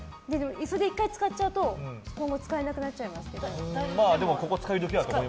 それ１回使っちゃうと今後使えなくなっちゃいますけど。